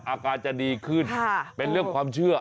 อาการจะดีขึ้นเป็นเรื่องความเชื่อ